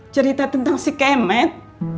cerita tentang si kemet